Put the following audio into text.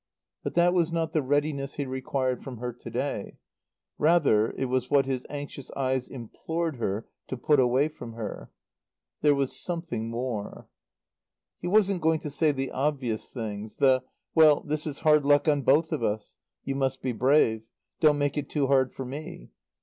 But that was not the readiness he required from her to day; rather it was what his anxious eyes implored her to put away from her. There was something more. He wasn't going to say the obvious things, the "Well, this is hard luck on both of us. You must be brave. Don't make it too hard for me."